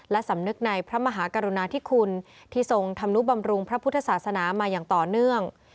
และสำนึกในพระมหากรุณาธิคุณที่ทรงธรรมนุบำรุงพระพุทธศาสนามาอย่างต่อเนื่อง